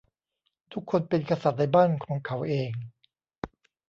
ทุกคนเป็นกษัตริย์ในบ้านของเขาเอง